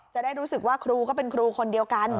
จะได้รู้สึกว่าครูก็เป็นครูคนเดียวกัน